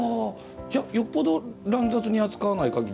よっぽど乱雑に扱わないかぎり。